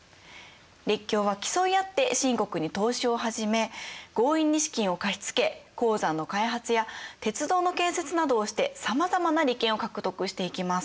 列強は競い合って清国に投資を始め強引に資金を貸し付け鉱山の開発や鉄道の建設などをしてさまざまな利権を獲得していきます。